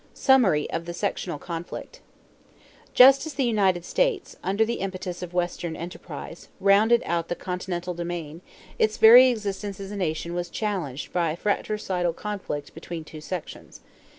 SUMMARY OF THE SECTIONAL CONFLICT Just as the United States, under the impetus of Western enterprise, rounded out the continental domain, its very existence as a nation was challenged by a fratricidal conflict between two sections.